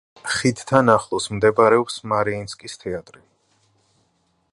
ხიდთან ახლოს მდებარეობს მარიინსკის თეატრი.